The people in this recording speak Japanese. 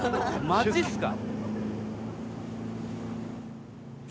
マジっすか。